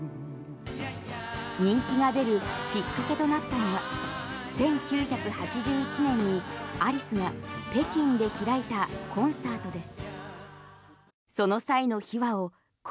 人気が出るきっかけとなったのが１９８１年にアリスが北京で開いたコンサートです。